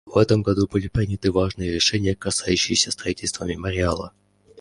В этом году были приняты важные решения, касающиеся строительства мемориала.